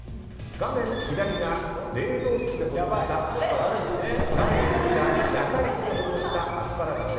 画面左が冷蔵室で保存したアスパラガス。